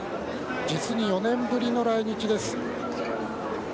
実に４年ぶりの来日です。